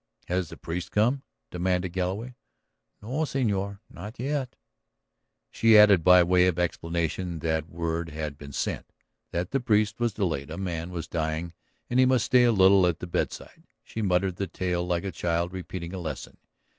"Has the priest come?" demanded Galloway. "No, señor. Not yet." She added by way of explanation that word had been sent; that the priest was delayed; a man was dying and he must stay a little at the bedside. She muttered the tale like a child repeating a lesson.